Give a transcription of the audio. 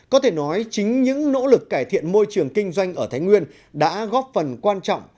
có thể nói chính những nỗ lực cải thiện môi trường kinh doanh ở thái nguyên đã góp phần quan trọng